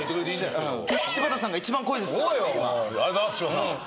ありがとうございます柴田さん。